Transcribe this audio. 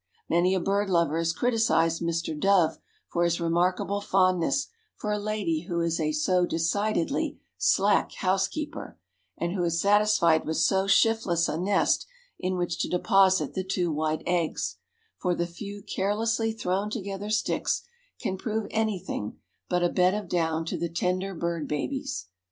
Many a bird lover has criticised Mr. Dove for his remarkable fondness for a lady who is a so decidedly slack housekeeper, and who is satisfied with so shiftless a nest in which to deposit the two white eggs, for the few carelessly thrown together sticks can prove anything but a bed of down to the tender bird babies.